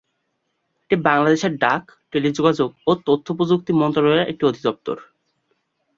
এটি বাংলাদেশের ডাক, টেলিযোগাযোগ ও তথ্যপ্রযুক্তি মন্ত্রণালয়ের একটি অধিদপ্তর।